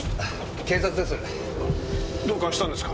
警察です。